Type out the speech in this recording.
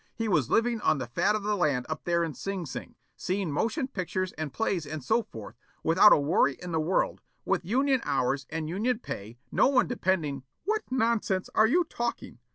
He was living on the fat of the land up there in Sing Sing, seeing motion pictures and plays and so forth, without a worry in the world, with union hours and union pay, no one depending " "What nonsense are you talking?